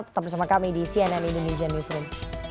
tetap bersama kami di cnn indonesian newsroom